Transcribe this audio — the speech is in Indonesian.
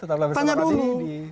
apa masalahnya ini